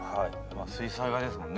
水彩画ですもんね。